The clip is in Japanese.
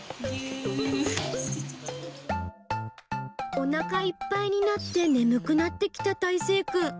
おなかいっぱいになって眠くなってきたたいせいくん。